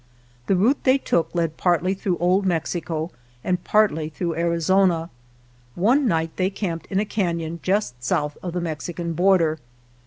The route they took led partly through Old Mexico and partly through Arizona. One night they camped in a canon just south of the Mexican border.